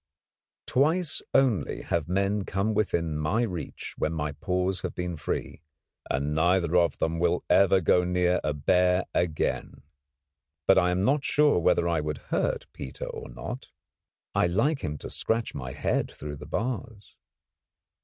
Twice only have men come within my reach when my paws have been free, and neither of them will ever go too near a bear again. But I am not sure whether I would hurt Peter or not. I like him to scratch my head through the bars.